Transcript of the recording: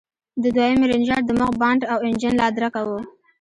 د دويم رېنجر د مخ بانټ او انجن لادرکه و.